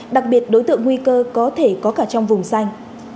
đặc biệt đối tượng nguy cơ có thể có cả trong vùng xanh